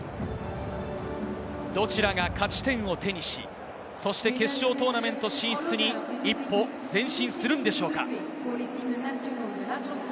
どちらが勝ち点を手にし、そして決勝トーナメント進出に一歩前進するのでしょうか？